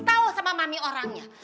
tahu sama mami orangnya